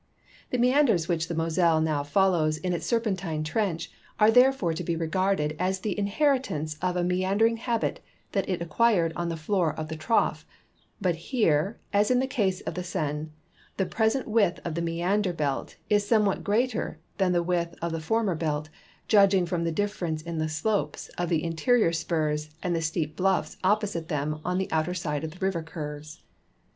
The meanders which the Moselle now follows in its serpentine trench are therefore to be regarded as the inheritance of a me andering habit that it acquired on the floor of the trough ; but here, as in the case of the Seine, the present width of the meander belt is somewhat greater than the width of the former belt, judg ing from the difference in the slopes of the interior spurs and the steep bluffs opposite them on the outer side of the river curves.